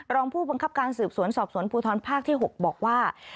รองผู้บังคับการสืบสวนสอบสวนภูทรภาคที่๖บอกว่า